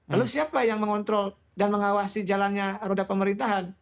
lalu siapa yang mengontrol dan mengawasi jalannya roda pemerintahan